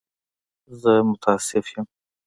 زه متأسف یم.